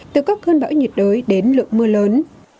từ các cơn bão nhiệt đới đến lượng mưa lớn